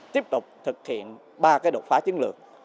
tiếp tục thực hiện ba đột phá chiến lược